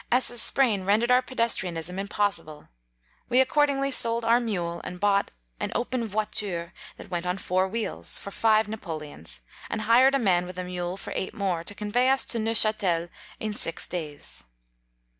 S's sprain ren dered our pedestrianism impossible. We accordingly sold our mule, and bought an open voiture that went on four wheels, for five Napoleons, and hired a man with a mule for eight more, to convey us to Neufchatel in six days.